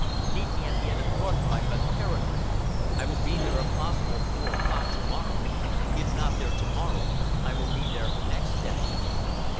"Meet me at the end of North Ride by the Heronry. I will be there if possible four o'clock to morrow. If not there to morrow, I will be there next day.